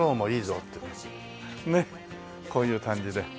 ねっこういう感じで。